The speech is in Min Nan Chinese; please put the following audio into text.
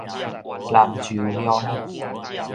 南州鄉